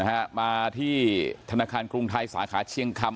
ฮะมาที่ธนาคารกรุงไทยสาขาเชียงคำ